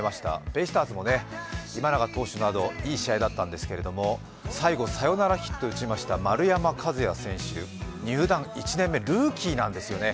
ベイスターズも今永投手などよかったんですが最後、サヨナラヒットを打ちました丸山和郁選手、入団１年目、ルーキーなんですよね。